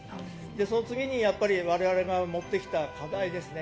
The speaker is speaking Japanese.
その次に我々が持ってきた課題ですね。